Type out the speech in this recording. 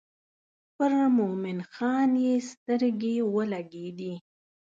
پر مومن خان یې سترګې ولګېدې.